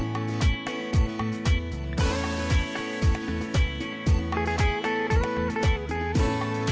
โปรดติดตามตอนต่อไป